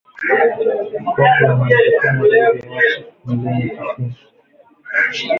Kongo inaongeza zaidi ya watu milioni tisini